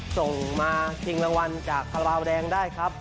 ส่งมาทิ้งรางวัลจากแบลาเขาแดงได้ครับ